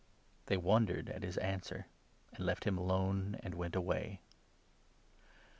They wondered at his answer, and left him alone and went 22 away.